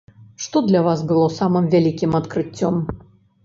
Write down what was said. Што для вас было самым вялікім адкрыццём?